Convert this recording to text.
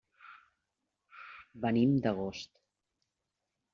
Venim d'Agost.